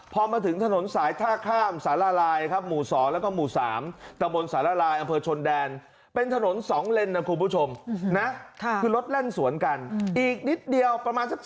พอมาถึงถนนสายท่าข้ามสารละลายครับ